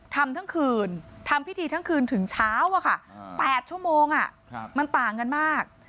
ทำพิธีทั้งคืนถึงเช้า๘ชั่วโมงมันต่างกันมาก